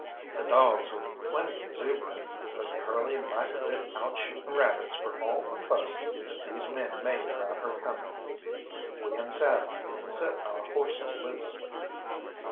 The dogs were plenty exuberant, but Curly might have been out shooting rabbits for all the fuss that these men made about her coming. We unsaddled and set our horses loose.